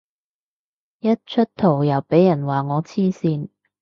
一出圖又俾人話我黐線